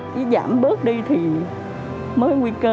cứ giảm bớt đi thì mới nguy cơ